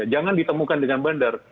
jangan ditemukan dengan bandar